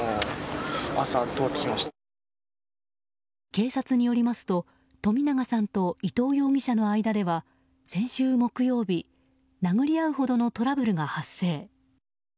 警察によりますと冨永さんと伊藤容疑者の間では先週木曜日殴り合うほどのトラブルが発生。